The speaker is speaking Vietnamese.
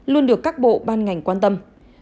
luôn được các bộ ban ngành quan tâm